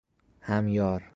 همیار